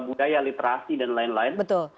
budaya literasi dan lain lain